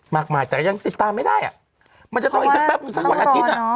มากมายแต่ก็ยังติดตามไม่ได้อ่ะมันจะต้องอีกสักแป๊บหนึ่งสักวันอาทิตย์